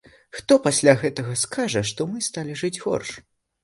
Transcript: Хто пасля гэтага скажа, што мы сталі жыць горш?